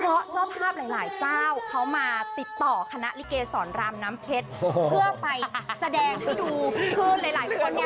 เพราะเจ้าภาพหลายเจ้าเขามาติดต่อคณะลิเกสรรามน้ำเพชรเพื่อไปแสดงให้ดูคลื่นหลายคนเนี่ย